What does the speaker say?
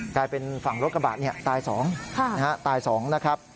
กลายเป็นฝั่งรถกระบะตาย๒ตาย๒นะครับ